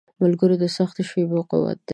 ملګری د سختو شېبو قوت دی.